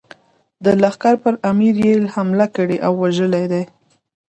د لښکر پر امیر یې حمله کړې او وژلی دی.